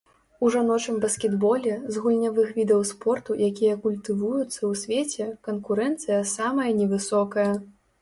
У жаночым баскетболе, з гульнявых відаў спорту, якія культывуюцца ў свеце, канкурэнцыя самая невысокая.